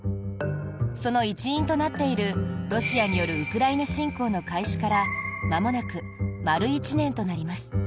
その一因となっているロシアによるウクライナ侵攻の開始からまもなく丸１年となります。